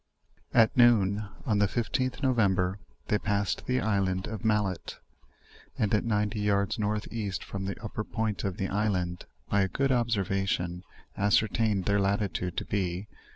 At noon, on the 15th November, they passed the island of Mallet; and at ninety yards north east from tne upper point of the island, by a good observation ascertained their latitude to be 32.